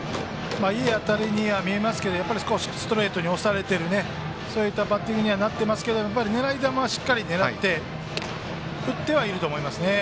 いい当たりには見えましたが少しストレートに押されているそういったバッティングになっていますがやっぱり狙い球はしっかり狙って打ってはいると思います。